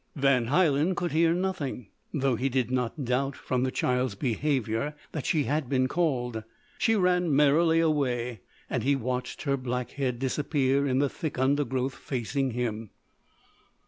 Van Hielen could hear nothing; though he did not doubt, from the child's behaviour, that she had been called. She ran merrily away, and he watched her black head disappear in the thick undergrowth facing him.